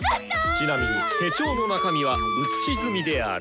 ちなみに手帳の中身は写し済みである。